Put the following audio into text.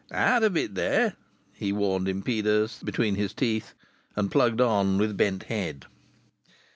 "Out of it, there!" he warned impeders, between his teeth, and plugged on with bent head.